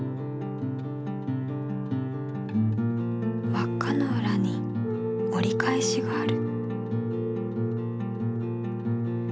わっかのうらに折り返しがある。